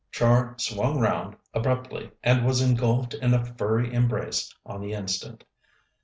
Char swung round abruptly, and was engulfed in a furry embrace on the instant.